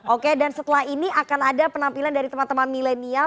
oke dan setelah ini akan ada penampilan dari teman teman milenial